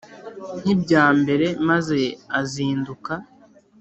Nk ibya mbere maze azinduka